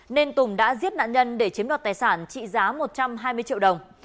nên tùng đã giết nạn nhân để chiếm đoạt tài sản trị giá một trăm hai mươi triệu đồng